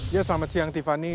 ya selamat siang tiffany